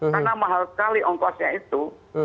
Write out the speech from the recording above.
karena mahal sekali ongkosnya itu